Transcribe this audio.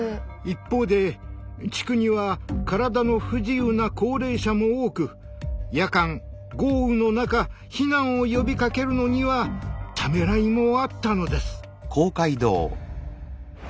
一方で地区には体の不自由な高齢者も多く夜間豪雨の中避難を呼びかけるのにはためらいもあったのです。